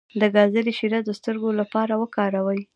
د ګازرې شیره د سترګو لپاره وکاروئ